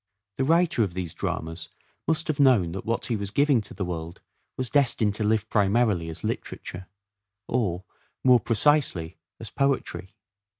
The writer of these dramas must have known that what he was giving to the world was destined to live primarily as literature, or, more precisely, as poetry.